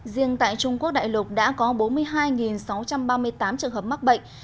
riêng tại trung quốc đại lục đã có bốn mươi hai sáu trăm ba mươi tám trường hợp mắc bệnh